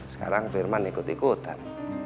sekarang firman ikut ikutan